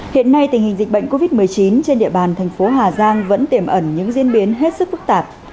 hiện nay tình hình dịch bệnh covid một mươi chín trên địa bàn thành phố hà giang vẫn tiềm ẩn những diễn biến hết sức phức tạp